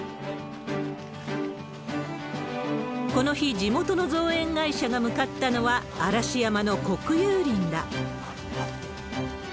この日、地元の造園会社が向かったのは、嵐山の国有林だ。